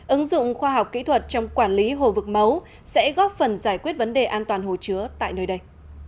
ứng dụng khoa học kỹ thuật trong quản lý hồ vực mấu sẽ góp phần giải quyết vấn đề an toàn hồ chứa tại nơi đây